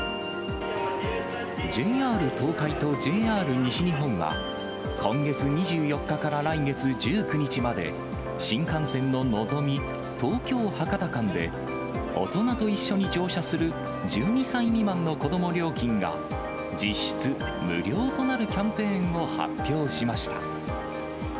ＪＲ東海とＪＲ西日本は今月２４日から来月１９日まで、新幹線ののぞみ東京・博多間で、大人と一緒に乗車する１２歳未満の子ども料金が、実質無料となるキャンペーンを発表しました。